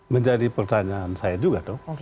menjadi pertanyaan saya juga